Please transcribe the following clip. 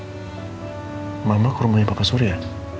tadi mama kerumunnya bapak laurie ya